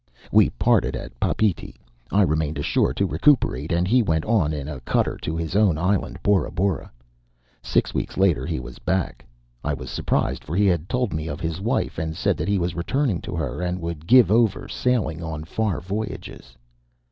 We parted at Papeete. I remained ashore to recuperate; and he went on in a cutter to his own island, Bora Bora. Six weeks later he was back. I was surprised, for he had told me of his wife, and said that he was returning to her, and would give over sailing on far voyages.